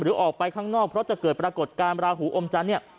ออกไปข้างนอกเพราะจะเกิดปรากฏการณ์ราหูอมจันทร์เนี่ย